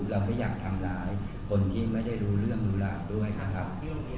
เราไม่อยากทำร้ายคนที่ไม่ได้รู้เรื่องรู้ราวด้วยนะครับ